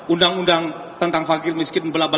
undang undang tentang fakir miskin belaba